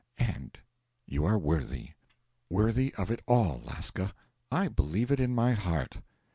And you are worthy worthy of it all, Lasca I believe it in my heart.'